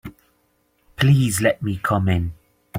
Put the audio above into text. Please let me come in.